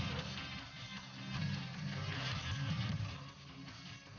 hari ini mbaknya sendiri mbak boobs